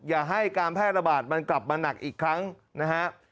อย่าให้การแพร่ระบาดมันกลับมาหนักอีกครั้งนะฮะ